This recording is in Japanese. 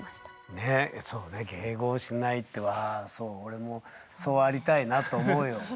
そうね迎合しないとはそう俺もそうありたいなと思うよ。